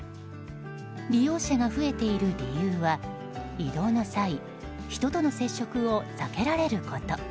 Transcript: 利用者が増えている理由は移動の際人との接触を避けられること。